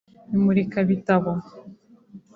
imurikabitabo